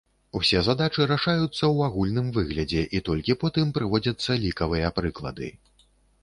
Усе задачы рашаюцца ў агульным выглядзе, і толькі потым прыводзяцца лікавыя прыклады.